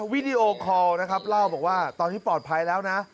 วิดีโอคอลนะครับเล่าบอกว่าตอนนี้ปลอดภัยแล้วนะ